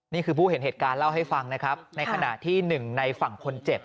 ผู้เห็นเหตุการณ์เล่าให้ฟังนะครับในขณะที่หนึ่งในฝั่งคนเจ็บ